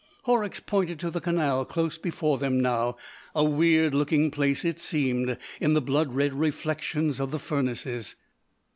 Horrocks pointed to the canal close before them now: a weird looking place it seemed, in the blood red reflections of the furnaces.